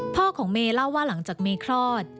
พ่อของเมย์เล่าว่าหลังจากเมย์คลอด